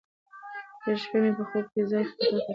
تېره شپه مې په خوب کې ځان د تخت تر شا ولاړه ولیده.